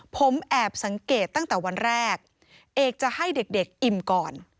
ผมแอบสังเกตตั้งแต่วันแรกเอกจะให้เด็กอิ่มก่อน